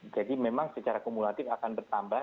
jadi memang secara kumulatif akan bertambah